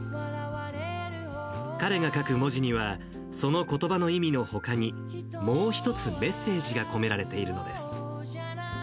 彼が書く文字には、そのことばの意味のほかに、もう一つメッセージが込められているのです。